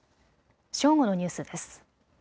正午のニュースです。